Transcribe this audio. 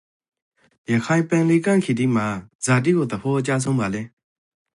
ရခိုင်ပင်လယ်ကမ်းခြေတိမှာဇာတိကိုသဖောအကျဆုံးဘာလေး